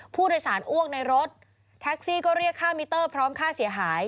ผู้โดยสารอ้วกในรถแท็กซี่ก็เรียกค่ามิเตอร์พร้อมค่าเสียหาย